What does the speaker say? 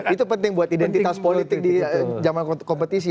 itu penting buat identitas politik di zaman kompetisi